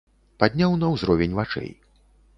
Падняў на ўзровень вачэй.